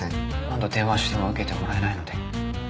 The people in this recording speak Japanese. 何度電話しても受けてもらえないので。